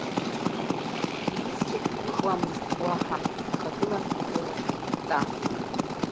Иҩызцәагь гәыӷуамызт уаҳа, ихагылан рылахь еиқәҵа.